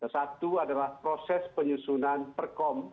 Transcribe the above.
satu adalah proses penyusunan perkom